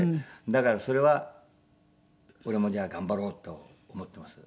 だからそれは俺もじゃあ頑張ろうと思ってます。